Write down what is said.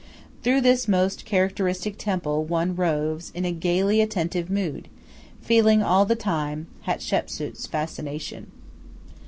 Through this most characteristic temple one roves in a gaily attentive mood, feeling all the time Hatshepsu's fascination.